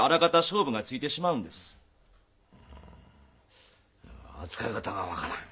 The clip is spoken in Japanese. あいや扱い方が分からん。